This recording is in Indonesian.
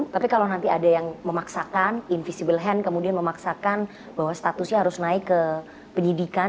tapi kalau nanti ada yang memaksakan invisible hand kemudian memaksakan bahwa statusnya harus naik ke penyidikan